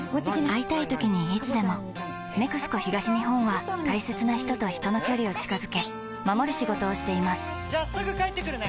会いたいときにいつでも「ＮＥＸＣＯ東日本」は大切な人と人の距離を近づけ守る仕事をしていますじゃあすぐ帰ってくるね！